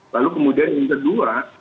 lalu kemudian yang kedua